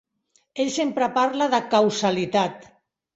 Ell sempre parla de causalitat.